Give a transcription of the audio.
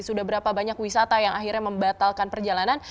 sudah berapa banyak wisata yang akhirnya membatalkan perjalanan